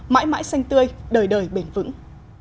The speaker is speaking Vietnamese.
mãi mãi xanh tươi đời đời bền vững